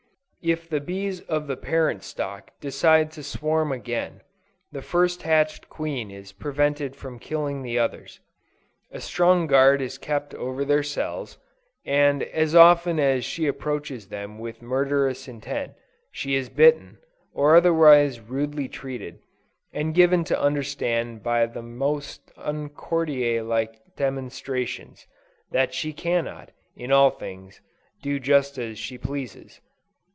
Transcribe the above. If the bees of the parent stock decide to swarm again, the first hatched queen is prevented from killing the others. A strong guard is kept over their cells, and as often as she approaches them with murderous intent, she is bitten, or otherwise rudely treated, and given to understand by the most uncourtier like demonstrations, that she cannot, in all things, do just as she pleases.